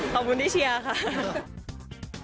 ขอบคุณที่เชียร์ค่ะ